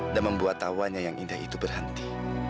dan membuat tawannya yang indah itu berhenti